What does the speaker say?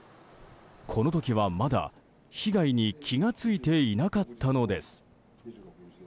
この時は、まだ被害に気が付いていなかったのです。